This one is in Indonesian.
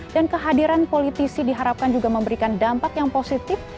dan kehadiran politisi diharapkan juga memberikan dampak yang positif